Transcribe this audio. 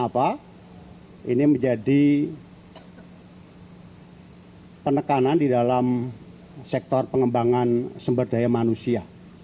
penekanan di dalam sektor pengembangan sumber daya manusia